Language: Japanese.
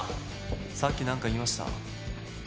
さっき何か言いました？